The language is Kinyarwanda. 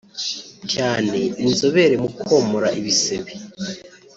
cyane inzobere mu komora ibisebe